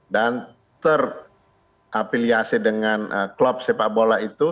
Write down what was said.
dan terapiliasi dengan klub sepak bola itu